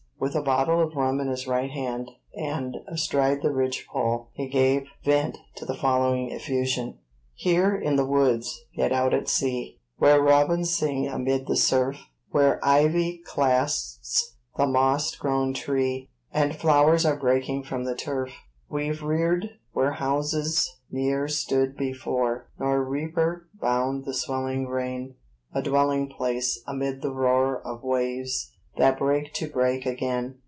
With a bottle of rum in his right hand, and astride the ridge pole, he gave vent to the following effusion: Here, in the woods, yet out at sea, Where robins sing amid the surf, Where ivy clasps the moss grown tree, And flowers are breaking from the turf, We've reared, where house ne'er stood before, Nor reaper bound the swelling grain, A dwelling place, amid the roar Of waves, that break to break again.